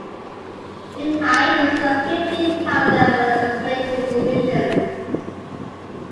Binhai consists of fifteen town-level administrative divisions.